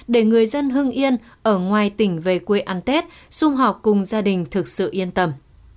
để người dân hưng yên ở ngoài tỉnh về quê ăn tết xung họp cùng gia đình thực sự yên tâm